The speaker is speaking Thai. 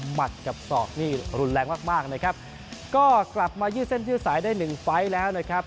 หมัดกับสอกรุนแรงมากนะครับกลับมายืดเส้นยืดสายได้๑ไฟล์แล้วนะครับ